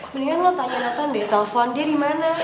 mendingan lo tanya nathan di telepon dia di mana